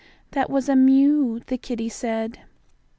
"That was a mew," the kittie said.